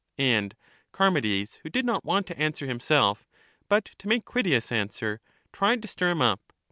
And Charmides, who didjiQt want to answerhimself , but to mate Critias^ answer, tried to stir him up.